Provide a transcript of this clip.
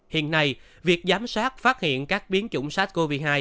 hiện nay việc giám sát phát hiện các biến chủng sars cov hai